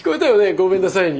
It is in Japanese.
「ごめんなさい」に。